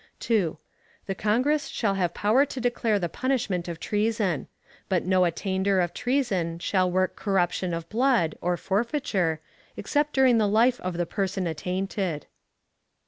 2. The Congress shall have power to declare the punishment of treason; but no attainder of treason shall work corruption of blood, or forfeiture, except during the life of the person attainted.